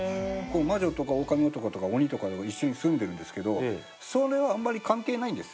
魔女とか狼男とか鬼とかが一緒に住んでるんですけどそれはあんまり関係ないんですよ。